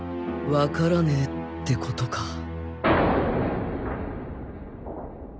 わからねぇってことか